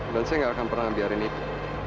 dan saya gak akan pernah biarin itu